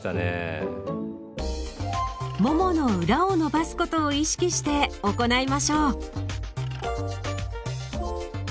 ももの裏を伸ばすことを意識して行いましょう。